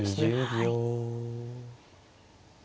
はい。